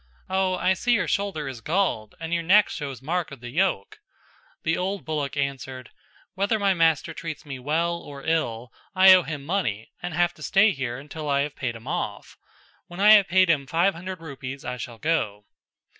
"Oh, I see your shoulder is galled and your neck shows mark of the yoke." The old bullock answered "Whether my master treats me well or ill I owe him money and have to stay here until I have paid him off. When I have paid him five hundred rupees I shall go."